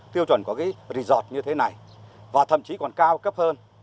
tiêu chuẩn của cái resort như thế này và thậm chí còn cao cấp hơn